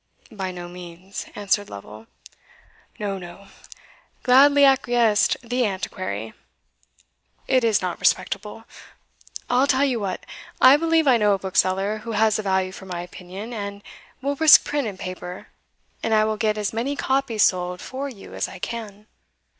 "By no means," answered Lovel. "No, no!" gladly acquiesced the Antiquary "it is not respectable. I'll tell you what: I believe I know a bookseller who has a value for my opinion, and will risk print and paper, and I will get as many copies sold for you as I can."